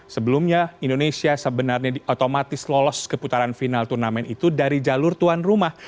sebelumnya indonesia sebenarnya otomatis lolos keputaran final turnamen itu dari jalur tuan rumah